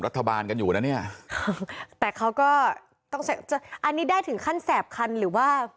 รัฐบาลกันอยู่นะเนี่ยแต่เขาก็ต้องอันนี้ได้ถึงขั้นแสบคันหรือว่า